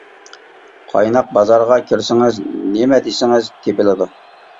قايناق بازارغا كىرسىڭىز نېمە دېسىڭىز تېپىلىدۇ.